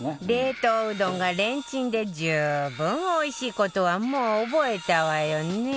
冷凍うどんがレンチンで十分おいしい事はもう覚えたわよね